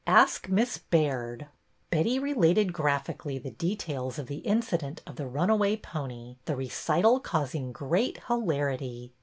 Ask Miss Baird." Betty related graphically the details of the in cident of the runaway pony, the recital causing great hilarity.